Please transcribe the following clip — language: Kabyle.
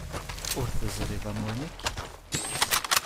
Ur teẓriḍ anwa nekk?